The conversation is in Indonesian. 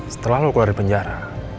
setelah lo keluar di penjara